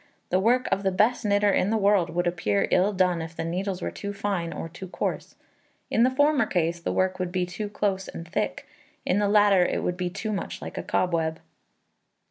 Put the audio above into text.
The work of the best knitter in the world would appear ill done if the needles were too fine or too coarse. In the former case, the work would be close and thick; in the latter it would be too much like a cobweb.